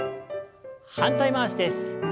反対回しです。